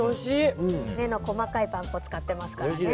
目の細かいパン粉を使っていますからね。